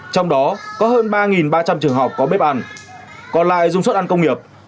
trong đó có hơn ba ba trăm linh trường học có bếp ăn còn lại dùng suất ăn công nghiệp